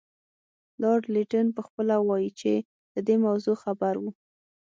لارډ لیټن پخپله وایي چې له دې موضوع خبر وو.